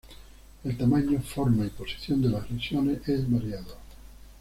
El tamaño, forma y posición de las lesiones es variado.